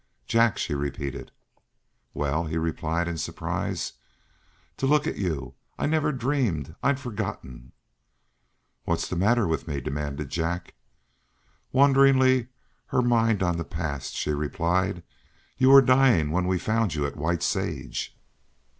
"Jack," she repeated. "Well?" he replied, in surprise. "To look at you! I never dreamed I'd forgotten " "What's the matter with me?" demanded Jack. Wonderingly, her mind on the past, she replied: "You were dying when we found you at White Sage."